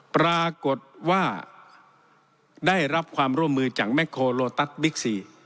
ปรากฏว่าได้รับความร่วมมือจากแม็กโคโลตัสบิ๊กซี